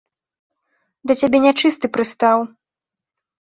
Да цябе нячысты прыстаў.